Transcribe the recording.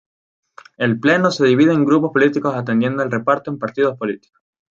El pleno se divide en grupos políticos atendiendo al reparto en partidos políticos.